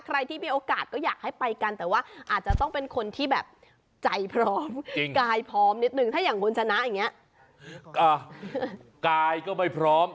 ใครที่มีโอกาสก็อยากให้ไปกัน